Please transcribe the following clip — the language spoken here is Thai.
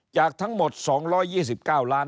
จากทั้งหมด๒๒๙ล้าน